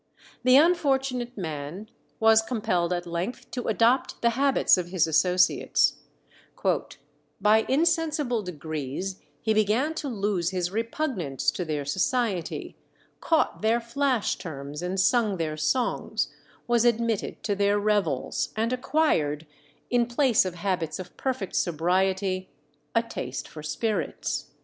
The unfortunate man was compelled at length to adopt the habits of his associates; "by insensible degrees he began to lose his repugnance to their society, caught their flash terms and sung their songs, was admitted to their revels, and acquired, in place of habits of perfect sobriety, a taste for spirits."